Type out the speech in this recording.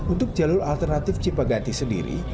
untuk jalur alternatif cipaganti sendiri